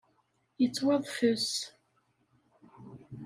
Yettwaḍfes!